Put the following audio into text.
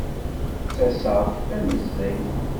Ttaseɣ-d tanezzayt.